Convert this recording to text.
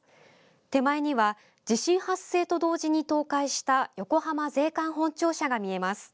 手前には地震発生と同時に倒壊した横浜税関本庁舎が見えます。